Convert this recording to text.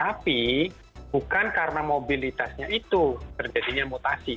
tapi bukan karena mobilitasnya itu terjadinya mutasi